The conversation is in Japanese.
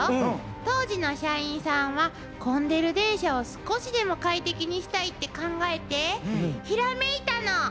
当時の社員さんは混んでる電車を少しでも快適にしたいって考えてひらめいたの！